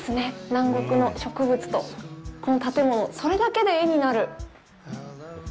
南国の植物とこの建物それだけで絵になる。